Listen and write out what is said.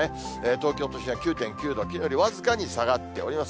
東京都心は９．９度、きのうより僅かに下がっております。